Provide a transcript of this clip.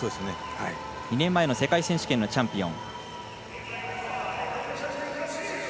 ２年前の世界選手権のチャンピオン。